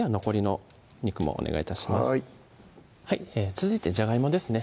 続いてじゃがいもですね